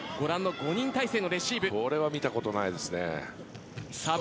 これは見たことないですね。